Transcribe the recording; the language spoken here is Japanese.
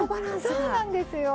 そうなんですよ。